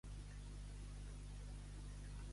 Més ert que un sorell.